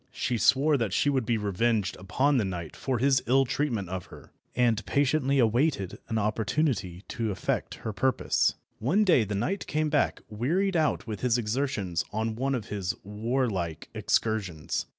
She swore that she would be revenged upon the knight for his ill treatment of her, and patiently awaited an opportunity to effect her purpose. One day the knight came back wearied out with his exertions on one of his warlike excursions.